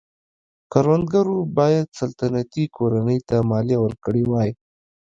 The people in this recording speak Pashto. کروندګرو باید سلطنتي کورنۍ ته مالیه ورکړې وای.